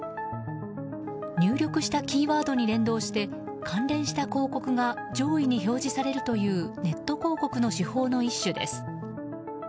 入力したキーワードに連動して関連した広告が上位に表示されるというネット広告の手法の一種です。